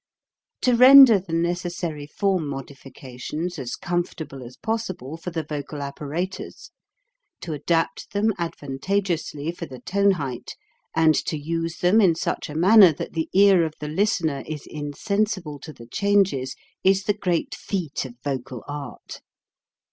To render the necessary form modifications as comfortable as possible for the vocal appara tus, to adapt them advantageously for the tone height, and to use them in such a manner that the ear of the listener is insensible to the changes is the great feat of vocal art.